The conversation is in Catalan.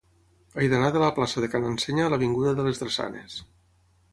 He d'anar de la plaça de Ca n'Ensenya a l'avinguda de les Drassanes.